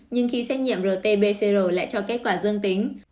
nhưng khi xét nghiệm rt pcr lại cho kết quả dương tính